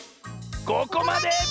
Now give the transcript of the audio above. ここまで！